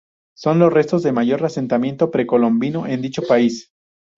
Son los restos del mayor asentamiento precolombino en dicho país.